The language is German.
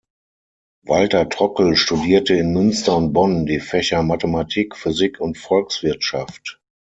Walter Trockel studierte in Münster und Bonn die Fächer Mathematik, Physik und Volkswirtschaft.